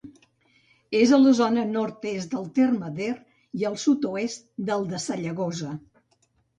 És a la zona nord-est del terme d'Er i al sud-oest del de Sallagosa.